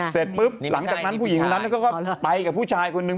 เสร็จปุ๊บหลังจากนั้นผู้หญิงคนนั้นก็ไปกับผู้ชายคนนึง